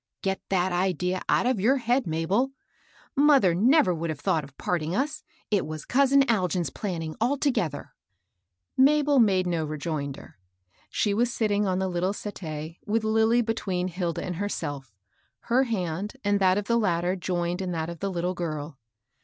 " Get that idea out of your head, Mabel. Mother never would have i;hought of parting us ; it was cousin Algin's planning altogether." Mabel made no rejoinder. She was sitting on the little settee, with Lilly between Hilda and her self, her hand and that of the latter joined in that of the Ktde girl.